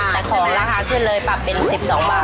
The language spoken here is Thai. แต่ของราคาขึ้นเลยปรับเป็น๑๒บาท